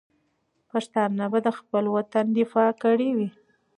پښتانه به د خپل وطن دفاع کړې وي.